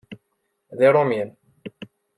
D irumyyin